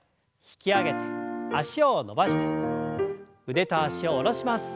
腕と脚を下ろします。